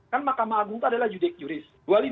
kan mahkamah agung itu adalah judik juris